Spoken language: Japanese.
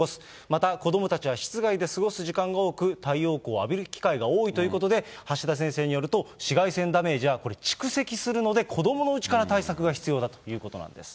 また子どもたちは室外で過ごす時間が多く、太陽光を浴びる機会が多いということで、橋田先生によると、紫外線ダメージはこれ、蓄積するので、子どものうちから対策が必要だということなんです。